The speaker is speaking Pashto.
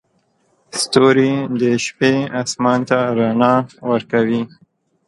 ستوري د شپې اسمان ته رڼا ورکوي.